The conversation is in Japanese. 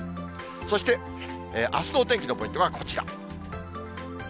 そしてあすのお天気のポイントはこちら。